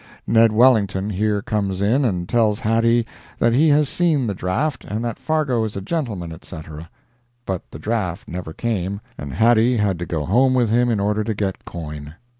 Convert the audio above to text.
Ned Wellington here comes in and tells Hattie that he has seen the draft, and that Fargo is a gentleman, etc. But the draft never came, and Hattie had to go home with him in order to get coin.